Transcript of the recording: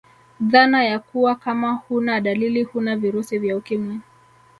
Dhana ya kuwa Kama huna dalili huna virusi vya ukimwi